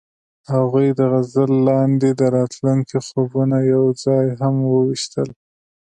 هغوی د غزل لاندې د راتلونکي خوبونه یوځای هم وویشل.